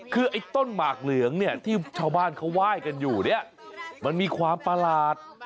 คือไอ้ต้นหมากเหลืองเนี่ยที่ชาวบ้านเขาไหว้กันอยู่เนี่ยมันมีความประหลาด